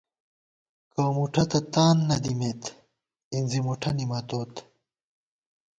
کَؤمُٹھہ تہ تان نہ دِمېت ، اِنزی مُٹھہ نِمَتوت